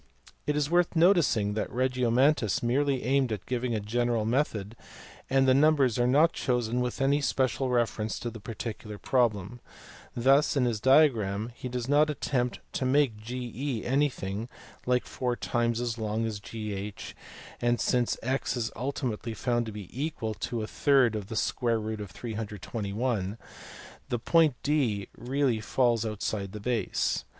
It is worth noticing that Regiomontanus merely aimed at giving a general method, and the numbers are not chosen with any special reference to the particular problem. Thus in his diagram he does not attempt to make GE anything like four times as long as GH, and, since x is ultimately found to be equal to ^ V321, the point D really falls outside the base.